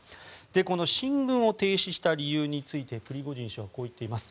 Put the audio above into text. この進軍を停止した理由についてプリゴジン氏はこう言っています。